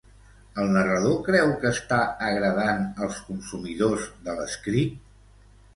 El narrador creu que està agradant als consumidors de l'escrit?